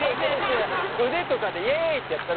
腕とかで「イエイ」ってやった時でしょ。